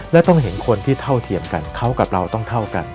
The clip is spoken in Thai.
และต้องเห็นคนที่เท่าเทียมกันเขากับเราต้องเท่ากัน